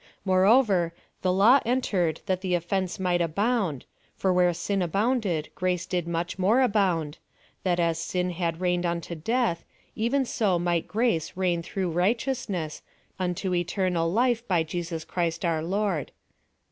« Moreover, tlie law entered that the oflence might abound, fur where sin Rbounded, grace did much more abound ; that as sin had reigned unto death, even so might grace reign through righteousness, un to eternal life by Jesus Cimst our Lord."